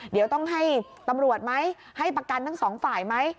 เดี๋ยวต้องให้ตำรวจไหมให้ประกันทั้งสองฝ่ายไหม